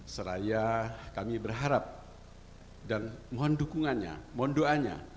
seraya kami berharap dan mohon dukungannya mohon doanya